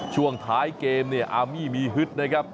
ช่วงท้ายเกมอาร์มีมีฮึดนะครับ